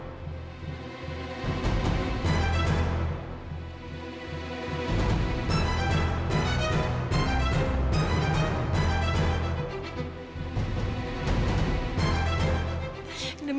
pantai jalan jalan nih